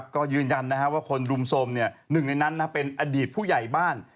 ก็ยืนยันว่าคนรุมโทรมหนึ่งในนั้นเป็นอดีตผู้ใหญ่บ้าน